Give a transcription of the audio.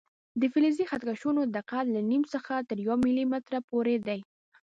د فلزي خط کشونو دقت له نیم څخه تر یو ملي متره پورې دی.